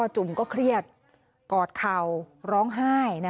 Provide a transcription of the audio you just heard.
จุ่มก็เครียดกอดเข่าร้องไห้